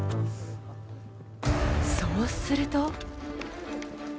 そうすると。